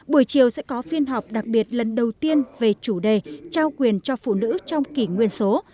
buổi chiều sẽ có phiên họp đặc biệt lần đầu tiên về chủ đề trao quyền cho phụ nữ trong kỷ nguyên số